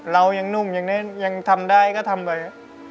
เรายังนุ่มยังทำได้ก็ทำบ่อย